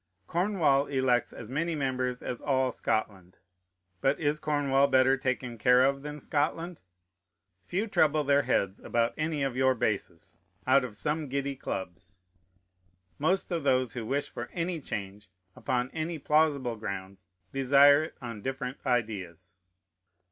Cornwall elects as many members as all Scotland. But is Cornwall better taken care of than Scotland? Few trouble their heads about any of your bases, out of some giddy clubs. Most of those who wish for any change, upon any plausible grounds, desire it on different ideas.